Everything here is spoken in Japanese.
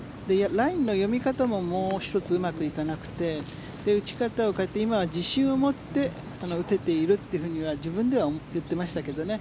ラインの読み方ももう一つ、うまくいかなくて打ち方を変えて今は自信を持って打てているって自分では言っていましたけどね。